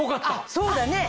そうだね！